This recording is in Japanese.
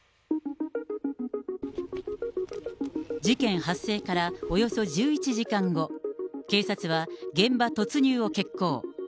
事件発生からおよそ１１時間後、警察は現場突入を決行。